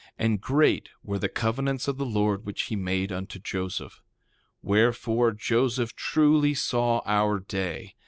And great were the covenants of the Lord which he made unto Joseph. 3:5 Wherefore, Joseph truly saw our day.